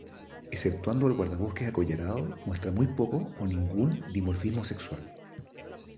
Exceptuando el guardabosques acollarado, muestran muy poco, o ningún, dimorfismo sexual.